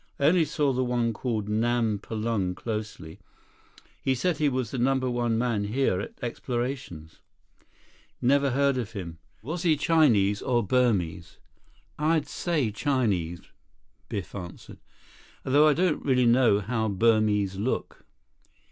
"I only saw the one called Nam Pulang closely. He said he was the Number One man here at Explorations." "Never heard of him. Was he Chinese, or Burmese?" "I'd say Chinese," Biff answered. "Although I don't really know how Burmese look."